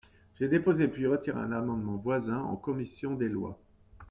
J’ai déposé puis retiré un amendement voisin en commission des lois.